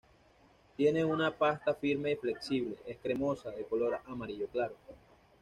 Tiene una pasta firme y flexible, es cremosa, de color amarillo claro.